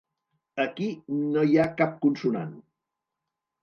Aquí no hi ha cap consonant.